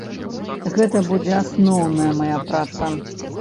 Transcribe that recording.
Гэта будзе асноўная мая праца.